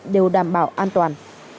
đều đảm bảo an toàn